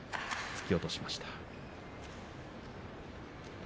突き落としました。